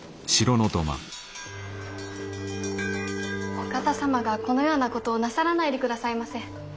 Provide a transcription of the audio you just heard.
お方様がこのようなことをなさらないでくださいませ。